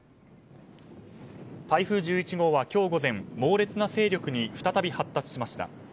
台風１１号は今日午前猛烈な勢力に再び発達しました。